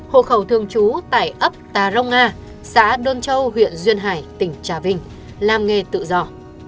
hộ khẩu thường trú tại ấp tà rông nga xã đôn châu huyện duyên hải tỉnh trà vinh làm nghề tự do